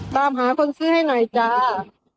ตามหาคนซื้อให้หน่อยจ้า